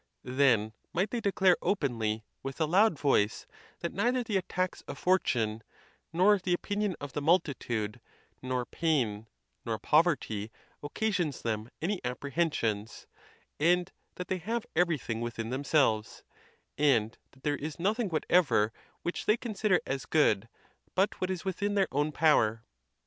Then might they declare openly, with a loud voice; that neither the attacks of fortune, nor the opinion of the multitude, nor pain, nor poverty, occa sions them any apprehensions; and that they have every thing within themselves, and that there is nothing what ever which they consider as good but what is within their own power.